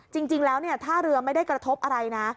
จริงแล้วท่าเรือไม่ได้กระทบอะไรนะ